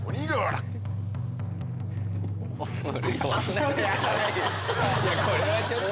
これはこれはちょっと。